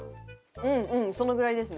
うんうんそのぐらいですね